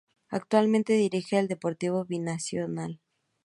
Actualmente dirige a Deportivo Binacional.